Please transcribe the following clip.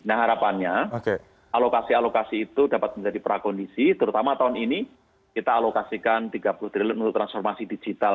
nah harapannya alokasi alokasi itu dapat menjadi prakondisi terutama tahun ini kita alokasikan tiga puluh triliun untuk transformasi digital